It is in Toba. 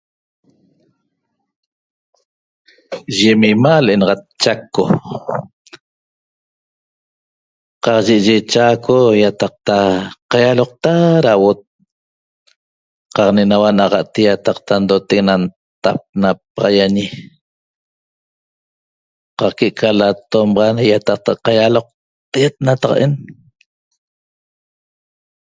Yem ima' le'enaxat Chaco qaq ye'eye Chaco iataqta qaialoqta ra auot qaq ne'enaua naxa'te iataqta ndotec na ntap napaxaiañe qaq que'eca latomaxa iataqta qaialoqteguet nataqa'en